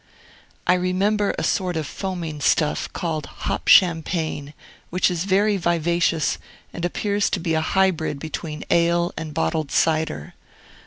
I remember a sort of foaming stuff, called hop champagne, which is very vivacious, and appears to be a hybrid between ale and bottled cider.